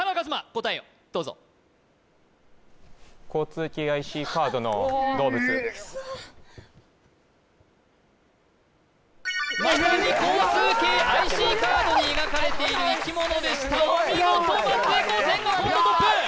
答えをどうぞ交通系ＩＣカードの動物まさに交通系ＩＣカードに描かれている生き物でしたお見事松江高専が今度トップ！